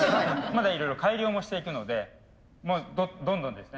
まだいろいろ改良もしていくのでどんどんですね。